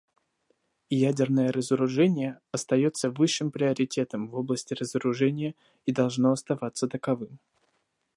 Ядерное разоружение остается высшим приоритетом в области разоружения и должно оставаться таковым.